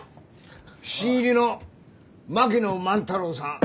新入りの槙野万太郎さん。